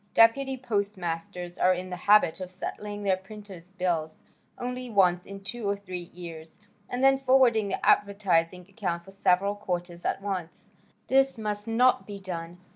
"Deputy postmasters are in the habit of settling their printer's bills only once in two or three years and then forwarding the advertising account for several quarters at once. This must not be done.